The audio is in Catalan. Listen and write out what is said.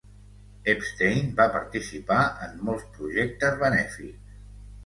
Epstein va participar en molts projectes benèfics.